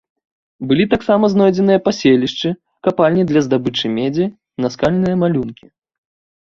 Былі таксама знойдзеныя паселішчы, капальні для здабычы медзі, наскальныя малюнкі.